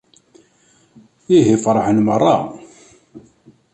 Ihi, ferḥen merra.